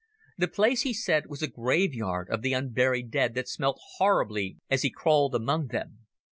The place, he said, was a graveyard of the unburied dead that smelt horribly as he crawled among them.